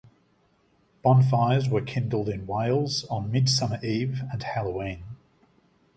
Bonfires were kindled in Wales on Midsummer Eve and Halloween.